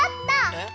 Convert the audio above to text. えっ？